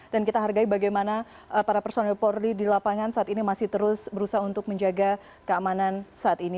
dan kita hargai bagaimana para personel bauri di lapangan saat ini masih terus berusaha untuk menjaga kesehatan